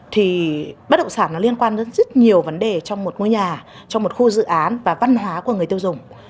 thì bất động sản nó liên quan đến rất nhiều vấn đề trong một ngôi nhà trong một khu dự án và văn hóa của người tiêu dùng